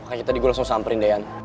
makanya tadi gue langsung samperin deyan